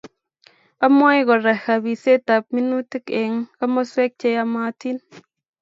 Amwae Kora kabiseatab minutik eng komoswek cheyamatin